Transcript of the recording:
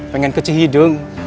pengen ke cihideng